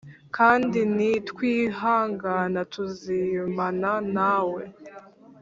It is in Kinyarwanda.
kandi ni twihangana, tuzimana na we;